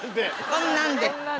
こんなんで。